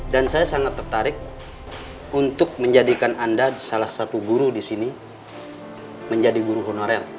dan saya sangat tertarik untuk menjadikan anda salah satu guru di sini menjadi guru honorer